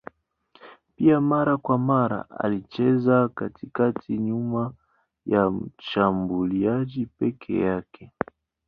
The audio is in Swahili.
Pia mara kwa mara alicheza katikati nyuma ya mshambuliaji peke yake.